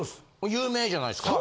有名じゃないですか。